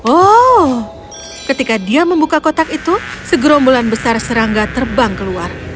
oh ketika dia membuka kotak itu segerombolan besar serangga terbang keluar